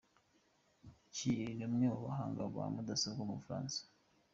Cyril ni umwe mu bahanga ba mudasobwa mu Bufaransa.